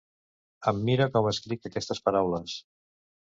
Em mira com escric aquestes paraules.